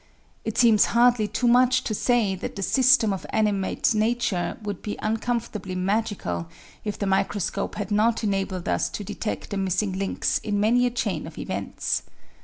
It seems hardly too much to say that the system of animate nature would be uncomfortably magical if the microscope had not enabled us to detect the missing links in many a chain of events.